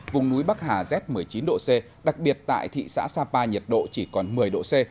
vùng núi bắc hà z một mươi chín độ c đặc biệt tại thị xã sapa nhiệt độ chỉ còn một mươi độ c